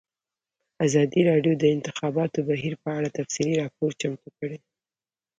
ازادي راډیو د د انتخاباتو بهیر په اړه تفصیلي راپور چمتو کړی.